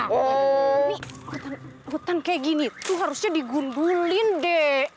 ini hutan kayak gini tuh harusnya digundulin deh